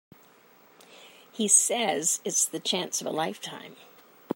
He says it's the chance of a lifetime.